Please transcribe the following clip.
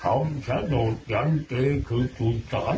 ดำโช่โรจะเจคือจุ๊บจันทิก